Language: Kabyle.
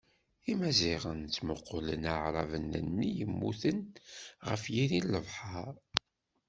Imaziɣen ttmuqulen Aɛraben-nni yemmuten, ɣef yiri n lebḥeṛ.